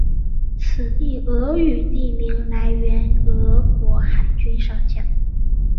此地俄语地名来源俄国海军上将。